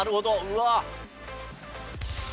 うわ！